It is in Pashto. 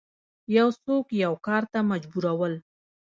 یو څوک یو کار ته مجبورول